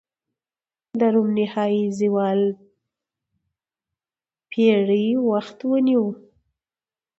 د روم نهايي زوال پېړۍ وخت ونیوه.